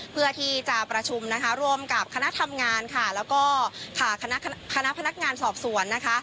เพื่อที่จะประชุมนะคะร่วมกับคณะทำงานค่ะแล้วก็ค่ะคณะพนักงานสอบสวนนะคะ